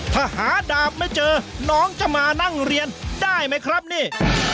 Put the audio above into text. ถ้าหาดาบไม่เจอน้องจะมานั่งเรียนได้ไหมครับนี่